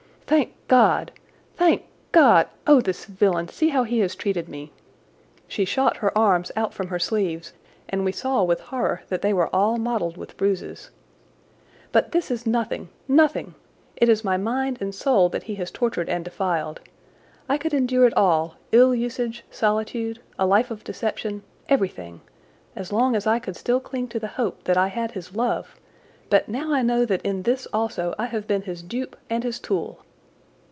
"Thank God! Thank God! Oh, this villain! See how he has treated me!" She shot her arms out from her sleeves, and we saw with horror that they were all mottled with bruises. "But this is nothing—nothing! It is my mind and soul that he has tortured and defiled. I could endure it all, ill usage, solitude, a life of deception, everything, as long as I could still cling to the hope that I had his love, but now I know that in this also I have been his dupe and his tool."